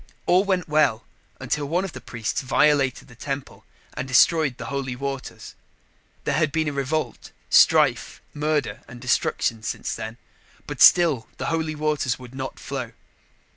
All went well until one of the priests violated the temple and destroyed the holy waters. There had been revolt, strife, murder and destruction since then. But still the holy waters would not flow.